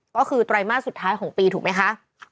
ก็คือไตรมาสสุดท้ายของปีถูกไหมคะ